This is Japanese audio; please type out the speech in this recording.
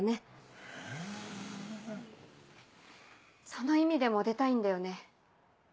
その意味でも出たいんだよね。